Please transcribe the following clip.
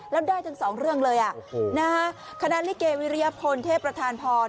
แล้วได้ทั้งสองเรื่องเลยคณะลิเกวิริยพลเทพประธานพร